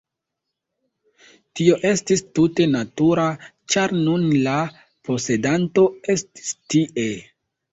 Tio estis tute natura, ĉar nun la posedanto estis tie.